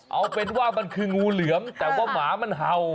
เอาเป็นว่ามันคืองูเหลือมแต่ว่าหมามันเห่า